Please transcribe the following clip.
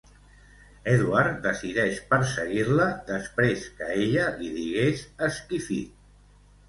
Edward decideix perseguir-la després que ella li digués "esquifit".